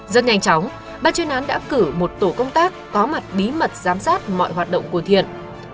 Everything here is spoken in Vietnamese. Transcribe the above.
rất nhanh chóng ban chuyên án đã cử một tổ công tác có mặt bí mật giám sát mọi hoạt động của thiện